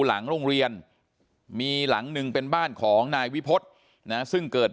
หลังโรงเรียนมีหลังหนึ่งเป็นบ้านของนายวิพฤษนะซึ่งเกิด